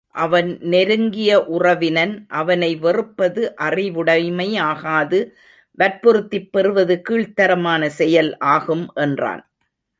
அவன் நெருங்கிய உறவினன் அவனை வெறுப்பது அறிவுடைமையாகாது வற்புறுத்திப் பெறுவது கீழ்த் தரமான செயல் ஆகும் என்றான்.